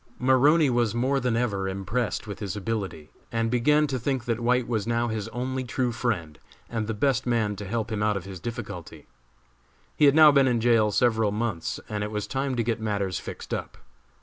Maroney was more than ever impressed with his ability, and began to think that White was now his only true friend, and the best man to help him out of his difficulty. He had now been in jail several months, and it was time to get matters fixed up.